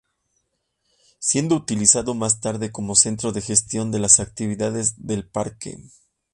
Siendo utilizado más tarde como centro de gestión de las actividades del parque.